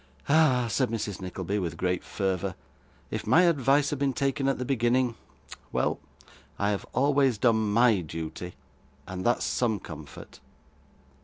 'Ah!' said Mrs. Nickleby, with great fervour, 'if my advice had been taken at the beginning Well, I have always done MY duty, and that's some comfort.